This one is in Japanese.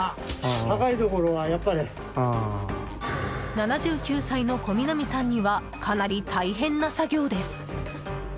７９歳の小南さんにはかなり大変な作業です。